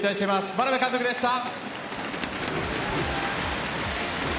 眞鍋監督でした。